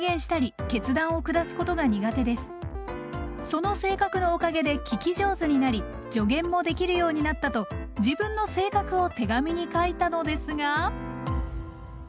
その性格のおかげで聞き上手になり助言もできるようになったと自分の性格を手紙に書いたのですが。